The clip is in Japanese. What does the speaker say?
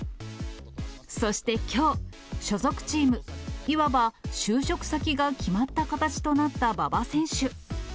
そしてきょう、所属チーム、いわば就職先が決まった形となった馬場選手。